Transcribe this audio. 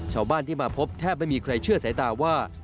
ชาวบ้านที่มาพบแทบไม่มีใครเชื่อสายตาว่า